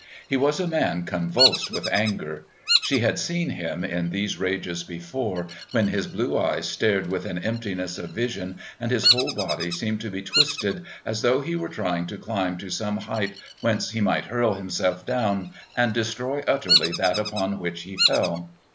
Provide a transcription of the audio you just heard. He was a man convulsed with anger; she had seen him in these rages before, when his blue eyes stared with an emptiness of vision and his whole body seemed to be twisted as though he were trying to climb to some height whence he might hurl himself down and destroy utterly that upon which he fell.